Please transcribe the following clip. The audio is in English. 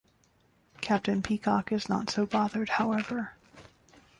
Captain Peacock is not so bothered, however.